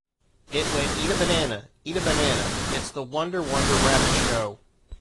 It went Eat a banana, eat a banana- It's the Wonder Wonder Rabbit Show.